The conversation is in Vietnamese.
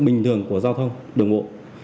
bình thường của giao thông đường bộ